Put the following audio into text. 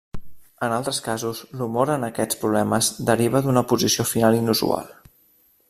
En altres casos, l'humor en aquests problemes deriva d'una posició final inusual.